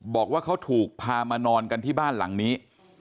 บอกว่าเขาถูกพามานอนกันที่บ้านหลังนี้